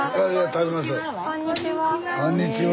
「こんにちは」は？